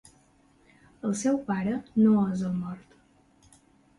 El seu pare no és el mort.